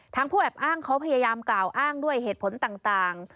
ผู้แอบอ้างเขาพยายามกล่าวอ้างด้วยเหตุผลต่าง